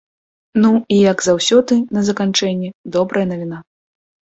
Ну і, як заўсёды, на заканчэнне, добрая навіна.